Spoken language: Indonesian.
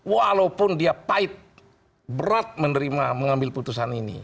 walaupun dia pahit berat menerima mengambil putusan ini